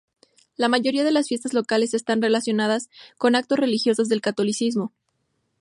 La mayoría de las fiestas locales están relacionadas con actos religiosos del catolicismo.